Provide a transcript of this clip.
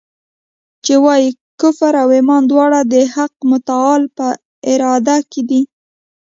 چي وايي کفر او ایمان دواړه د حق متعال په اراده کي دي.